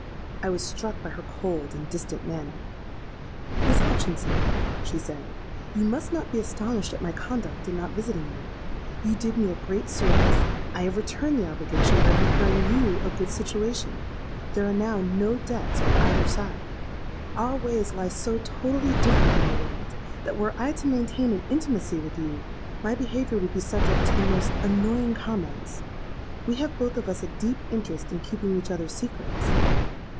I was struck by her cold and distant manner. 'Miss Hutchinson,' she said, 'you must not be astonished at my conduct in not visiting you. You did me a great service: I have returned the obligation by procuring you a good situation. There are now no debts on either side. Our ways lie so totally different in the world, that were I to maintain an intimacy with you, my behaviour would be subject to the most annoying comments. We have both of us a deep interest in keeping each other's secrets.